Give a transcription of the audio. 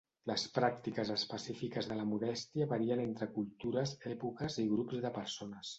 Les pràctiques específiques de la modèstia varien entre cultures, èpoques i grups de persones.